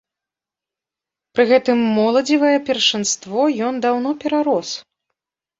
Пры гэтым моладзевае першынство ён даўно перарос.